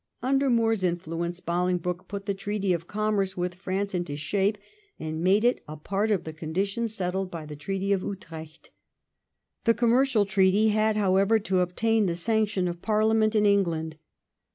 Under Moor's influence Bohngbroke put the treaty of commerce with France into shape, and made it a part of the conditions settled by the Treaty of Utrecht. The commercial treaty had, however, to obtain the sanction of Parlia ment in England.